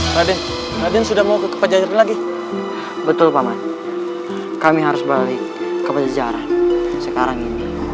raden raden sudah mau ke penjajaran lagi betul pak man kami harus balik ke penjajaran sekarang ini